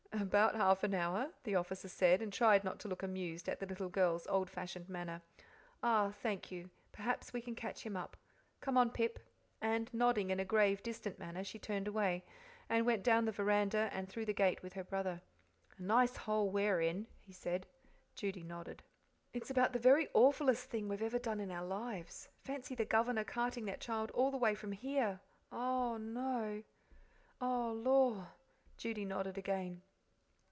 "About half an hour," the officer said, and tried not to look amused at the little girl's old fashioned manner. "Ah, thank you. Perhaps we can catch him up. Come on, Pip," and, nodding in a grave, distant manner, she turned away, and went down the veranda and through the gate with her brother. "A nice hole we're in," he said. Judy nodded. "It's about the very awfullest thing we've ever done in our lives. Fancy the governor carting that child all the way from here! Oh, lor'!" Judy nodded again.